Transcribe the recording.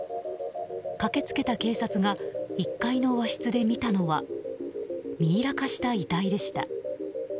駆け付けた警察が１階の和室で見たのはミイラ化した遺体でした。